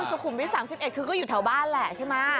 สุขุมวิท๓๑คือก็อยู่แถวบ้านแหละใช่ไหม